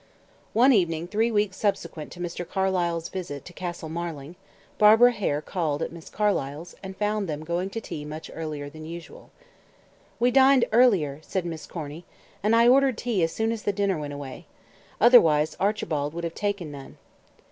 One evening three weeks subsequent to Mr. Carlyle's visit to Castle Marling, Barbara Hare called at Miss Carlyle's, and found them going to tea much earlier than usual. "We dined earlier," said Miss Corny, "and I ordered tea as soon as the dinner went away. Otherwise, Archibald would have taken none."